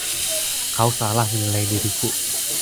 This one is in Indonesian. Kau salah menilai diriku.